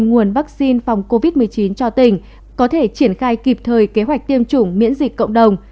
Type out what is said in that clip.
nguồn vaccine phòng covid một mươi chín cho tỉnh có thể triển khai kịp thời kế hoạch tiêm chủng miễn dịch cộng đồng